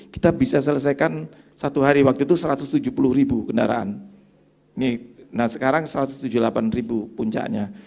kita bisa selesaikan satu hari waktu itu satu ratus tujuh puluh kendaraan nah sekarang satu ratus tujuh puluh delapan puncaknya